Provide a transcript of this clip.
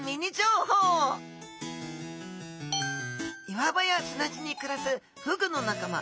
岩場や砂地にくらすフグの仲間